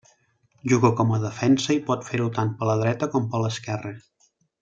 Juga com a defensa, i pot fer-ho tant per la dreta com per l'esquerra.